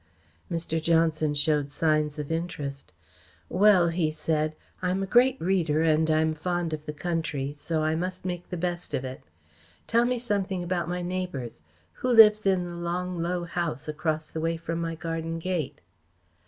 Mr. Johnson showed signs of interest. "Well," he said, "I'm a great reader and I'm fond of the country, so I must make the best of it. Tell me something about my neighbours. Who lives in the long, low house across the way from my garden gate?"